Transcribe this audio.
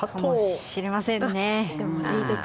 かもしれませんね。